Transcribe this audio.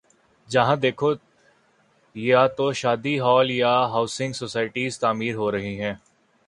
جہاں دیکھو یا تو شادی ہال یا ہاؤسنگ سوسائٹیاں تعمیر ہو رہی ہیں۔